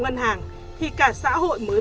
ngân hàng thì cả xã hội mới